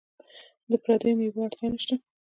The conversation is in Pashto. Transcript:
د پردیو میوو اړتیا نشته.